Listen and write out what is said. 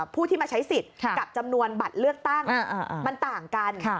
ผู้ที่มาใช้สิทธิ์กับจำนวนบัตรเลือกตั้งมันต่างกัน